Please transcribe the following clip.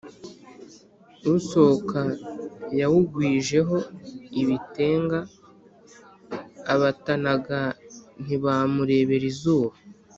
Usohoka yawugwijeho ibitenga abatanaga ntibamurebera izuba